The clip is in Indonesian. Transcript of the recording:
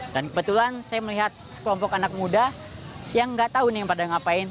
dan kebetulan saya melihat sekelompok anak muda yang nggak tahu nih pada ngapain